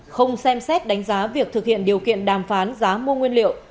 không xem xét đánh giá việc thực hiện điều kiện đàm phán giá mua nguyên liệu